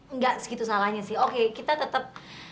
enggak segitu salahnya sih oke kita tetap